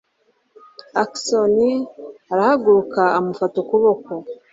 ackson arahaguruka amufata ukuboko